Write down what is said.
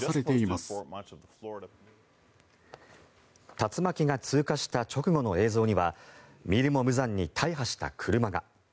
竜巻が通過した直後の映像には見るも無残に大破した車が。